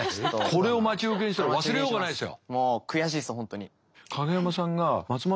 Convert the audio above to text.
これを待ち受けにしたら忘れようがないですよ。